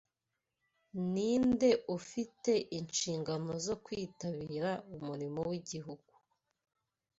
Ninde ufite inshingano zo kwitabira umurimo wigihugu